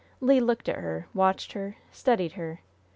Le looked at her, watched her, studied her.